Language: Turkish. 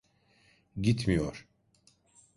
Gitmiyor.